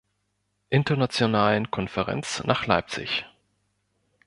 Internationalen Konferenz nach Leipzig.